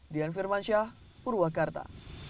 dian firmansyah purwakarta